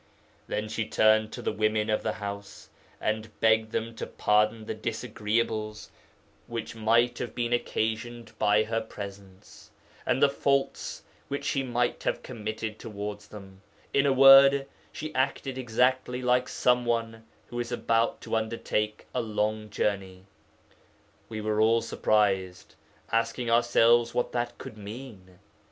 Then she turned to the women of the house, and begged them to pardon the disagreeables which might have been occasioned by her presence, and the faults which she might have committed towards them; in a word, she acted exactly like some one who is about to undertake a long journey. We were all surprised, asking ourselves what that could mean.